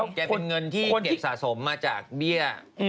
แกเป็นเงินที่เก็บสะสมมาจากเบี้ย